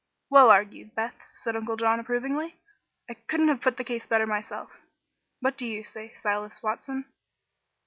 "Well argued, Beth," said Uncle John, approvingly. "I couldn't have put the case better myself. What do you say, Silas Watson?"